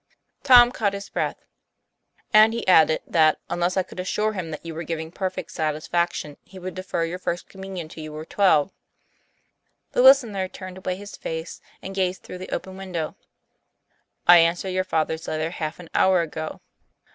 Tom caught his breath. " And he added that, unless I could assure him that you were giving perfect satisfaction, he would defer your First Communion till you were twelve." The listener turned away his face and gazed through the open window. " I answered your father's letter half an hour ago."